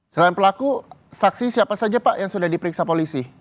selain pelaku saksi siapa saja pak yang sudah diperiksa polisi